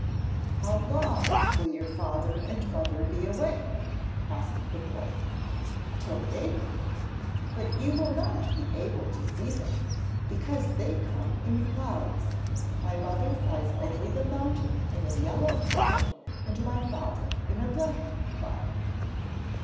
'How long will your father and mother be away?' asked the boy. 'Till daybreak; but you will not be able to see them, because they come in clouds. My mother flies over the mountain in a yellow cloud, and my father in a black cloud.'